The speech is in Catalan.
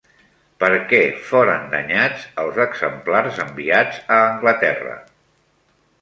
Per què foren danyats els exemplars enviats a Anglaterra?